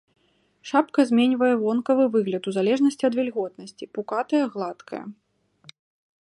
Шапка зменьвае вонкавы выгляд у залежнасці ад вільготнасці, пукатая, гладкая.